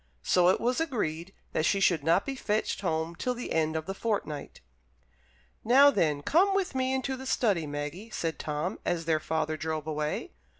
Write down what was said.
So it was agreed that she should not be fetched home till the end of the fortnight. "Now, then, come with me into the study, Maggie," said Tom, as their father drove away.